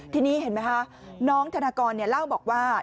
ทีนี้เห็นไหมคะน้องธนากรเล่าบอกว่า